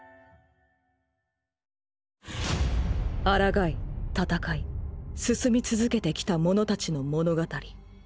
抗い戦い進み続けてきた者たちの物語。